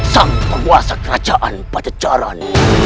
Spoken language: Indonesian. sang penguasa kerajaan pada jaran